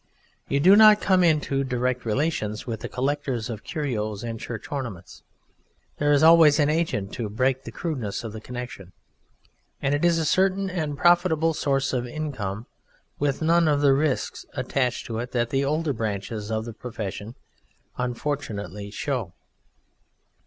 You do not come into direct relation with the collectors of curios and church ornaments: there is always an agent to break the crudeness of the connexion. And it is a certain and profitable source of income with none of the risks attached to it that the older branches of the profession unfortunately show.